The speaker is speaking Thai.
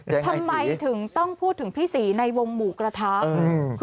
ทำไมถึงต้องพูดถึงพี่ศรีในวงหมูกระทะ